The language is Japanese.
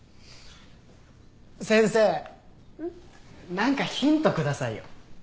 何かヒント下さいよ。